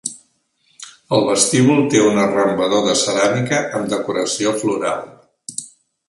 El vestíbul té un arrambador de ceràmica amb decoració floral.